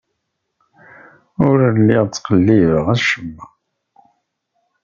Ur lliɣ ttqellibeɣ acemma.